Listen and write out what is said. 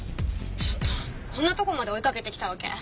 ちょっとこんなとこまで追いかけてきたわけ？